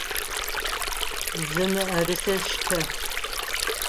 Зы мыӏэрысэ штэ!